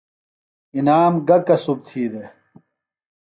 انعام گہ کسُب تھی دےۡ؟